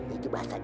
itu bahasa daul